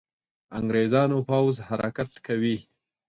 انګرېزانو پوځ حرکت کوي.